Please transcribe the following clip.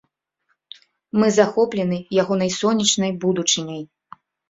Мы захоплены ягонай сонечнай будучыняй.